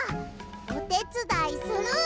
おてつだいする。